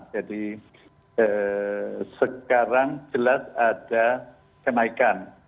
jadi sekarang jelas ada kenaikan